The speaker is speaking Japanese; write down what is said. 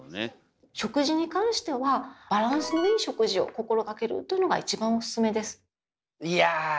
食事に関してはバランスのいい食事を心がけるというのが一番オススメです。